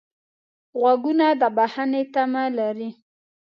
غوږونه د بښنې تمه لري